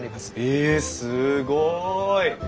えすごい！